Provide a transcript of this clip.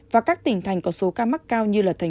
và các tỉnh thành có số ca mắc cao như tp hcm